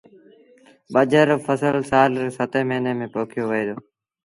ٻآجھر رو ڦسل سآل ري ستيٚن موهيݩي ميݩ پوکيو وهي دو۔